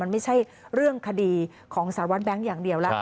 มันไม่ใช่เรื่องคดีของสารวัตรแบงค์อย่างเดียวแล้ว